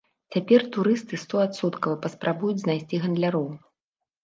Цяпер турысты стоадсоткава паспрабуюць знайсці гандляроў.